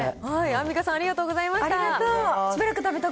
アンミカさん、ありがとうございました。